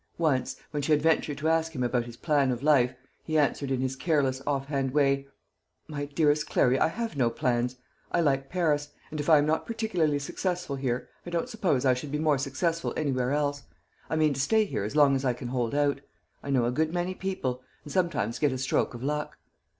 Once, when she had ventured to ask him about his plan of life, he answered in his careless off hand way, "My dearest Clary, I have no plans. I like Paris; and if I am not particularly successful here, I don't suppose I should be more successful anywhere else. I mean to stay here as long as I can hold out. I know a good many people, and sometimes get a stroke of luck."